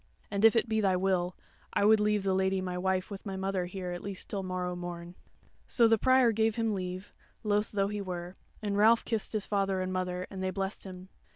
And if it be thy will, I would leave the Lady my wife with my mother here at least till morrow morn." So the Prior gave him leave, loth though he were, and Ralph kissed his father and mother, and they blessed him.